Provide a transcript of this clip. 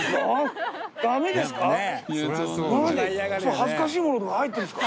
恥ずかしいものとか入ってるんですか？